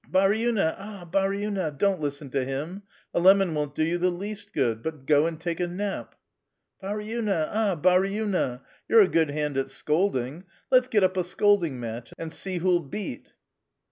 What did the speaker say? ^^ Baruijia! ah! baruina! don't listen to him; a lemon won't do you the least good ; but go and take a nap." " Bdruina! ah ! baruina! you're a good hand at scolding ; let's get up a scolding match, and see who'll beat